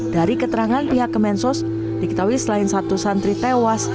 dari keterangan pihak kemensos diketahui selain satu santri tewas